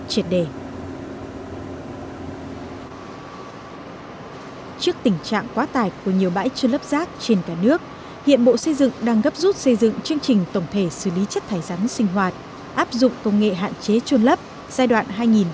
trước tình trạng quá tải của nhiều bãi trôn lấp rác trên cả nước hiện bộ xây dựng đang gấp rút xây dựng chương trình tổng thể xử lý chất thải rắn sinh hoạt áp dụng công nghệ hạn chế trôn lấp giai đoạn hai nghìn một mươi sáu hai nghìn ba mươi